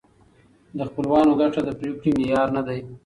د خپلوانو ګټه د پرېکړې معیار نه دی.